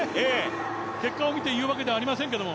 結果を見て言うわけじゃありませんけど。